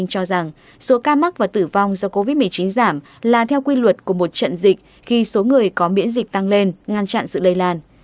cho rằng số ca mắc và tử vong do covid một mươi chín giảm là theo quy luật của một trận dịch khi số người có miễn dịch tăng lên ngăn chặn sự lây lan